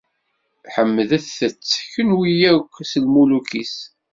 Ḥemdemt- tt, kunwi akk, s lmuluk-is!